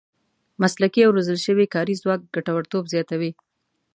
مسلکي او روزل شوی کاري ځواک ګټورتوب زیاتوي.